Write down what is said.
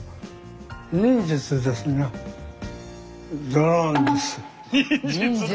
ドロンです。